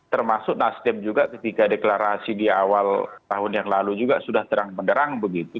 termasuk nasdem juga ketika deklarasi di awal tahun yang lalu juga sudah terang benderang begitu